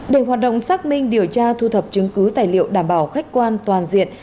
để hoạt động xác minh điều tra thu thập chứng cứ tài liệu đảm bảo khách quan toàn diện